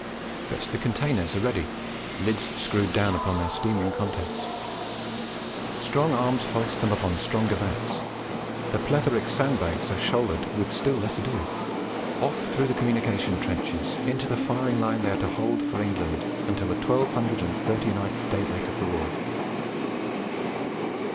But the containers are ready, lids screwed down upon their steaming contents. Strong arms hoist them upon stronger backs; the plethoric sand bags are shouldered with still less ado, and off go the party into the slate coloured night, off through the communication trenches into the firing line they are to hold for England until the twelve hundred and thirty ninth daybreak of the war.